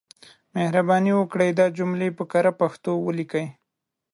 مهرباني وکړئ دا جملې په کره پښتو ليکئ.